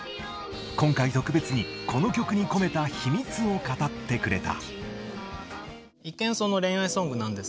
今回特別にこの曲に込めた秘密を語ってくれた。